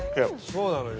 そうなのよ。